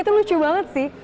itu lucu banget sih